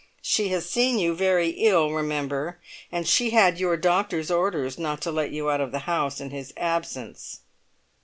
She has seen you very ill, remember, and she had your doctor's orders not to let you out of the house in his absence."